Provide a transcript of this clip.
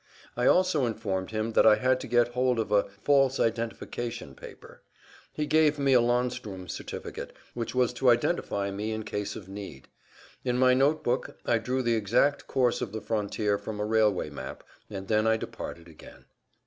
I also informed[Pg 184] him that I had to get hold of a false identification paper. He gave me a landsturm certificate which was to identify me in case of need. In my note book I drew the exact course of the frontier from a railway map, and then I departed again.